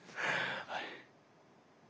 はい。